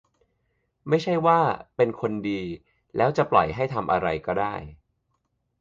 ไม่ใช่ว่า "เป็นคนดี" แล้วจะปล่อยให้ทำอะไรก็ได้